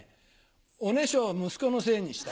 おねしょを息子のせいにした。